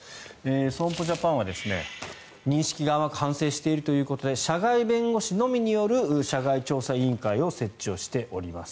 損保ジャパンは、認識が甘く反省しているということで社外弁護士のみによる社外調査委員会を設置しております。